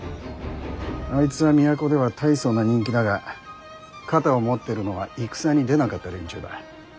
あいつは都では大層な人気だが肩を持ってるのは戦に出なかった連中だ。